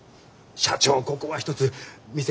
社長ここはひとつ見せて頂けませんか？